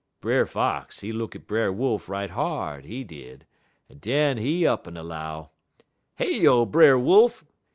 "Brer Fox, he look at Brer Wolf right hard, he did, en den he up'n 'low: "'Heyo, Brer Wolf!